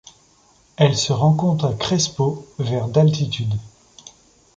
Elle se rencontre à Crespo vers d'altitude.